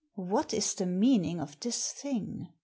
What is the meaning of this thing?